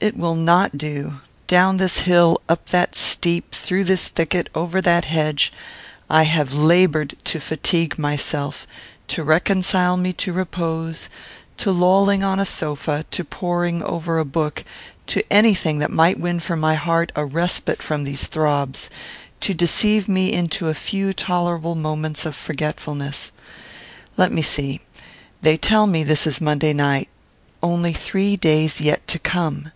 It will not do down this hill, up that steep; through this thicket, over that hedge I have laboured to fatigue myself: to reconcile me to repose; to lolling on a sofa; to poring over a book, to any thing that might win for my heart a respite from these throbs; to deceive me into a few tolerable moments of forgetfulness. Let me see; they tell me this is Monday night. Only three days yet to come!